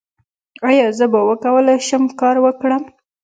ایا زه به وکولی شم کار وکړم؟